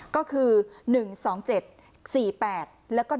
ก็คือ๑๒๗๔๘แล้วก็